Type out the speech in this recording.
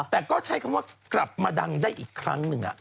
แต่ก็ใช้คำว่ากลับมาดังได้อีกครั้งหนึ่ง